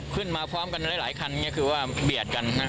ขึ้นมาพร้อมกันหลายหลายคันเนี้ยคือว่าเบียดกันนะ